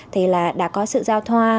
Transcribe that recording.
thì là đã có sự giao thoa